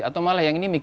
atau nggak ganjar proud